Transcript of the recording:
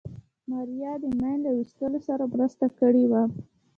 ماريا د ماين له ويستلو سره مرسته کړې وه.